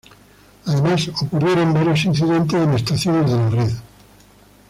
Además, ocurrieron varios incidentes en estaciones de la red.